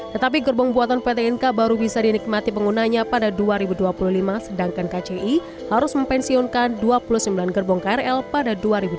tetapi gerbong buatan pt inka baru bisa dinikmati penggunanya pada dua ribu dua puluh lima sedangkan kci harus mempensiunkan dua puluh sembilan gerbong krl pada dua ribu dua puluh